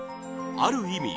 ある意味